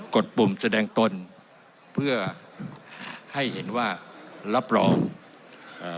ดปุ่มแสดงตนเพื่อให้เห็นว่ารับรองเอ่อ